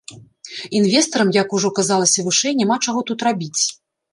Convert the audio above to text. Інвестарам, як ужо казалася вышэй, няма чаго тут рабіць.